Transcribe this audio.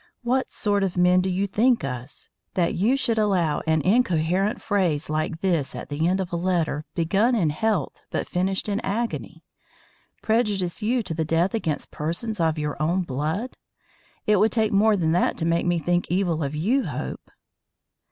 "What sort of men do you think us, that you should allow an incoherent phrase like this at the end of a letter begun in health but finished in agony, prejudice you to the death against persons of your own blood? It would take more than that to make me think evil of you, Hope."